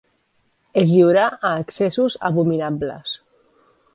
Es lliurà a excessos abominables.